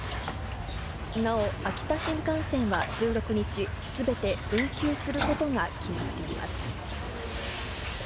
なお、秋田新幹線は１６日すべて運休することが決まっています。